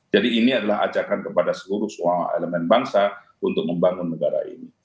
jadi ini adalah ajakan kepada seluruh semua elemen bangsa untuk membangun negara ini